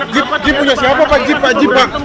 jip jip punya siapa pak jip pak jip pak